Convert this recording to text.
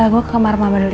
gue ke kamar mama dulu ya